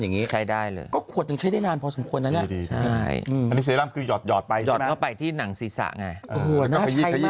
แบบนี้ใจได้เลยก็ขวดอย่างเช่นผมควรนะนะอ่ะเลยอาจไปปล่อยอ้างสิสะใช้